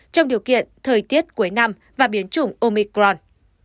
trong điều kiện thời tiết cuối năm và biến chủng omicron